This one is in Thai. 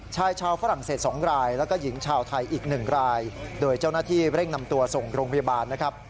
ชายชาวฝรั่งเศส๒รายแล้วก็หญิงชาวไทยอีกหนึ่งรายโดยเจ้าหน้าที่เร่งนำตัวส่งโรงพยาบาลนะครับ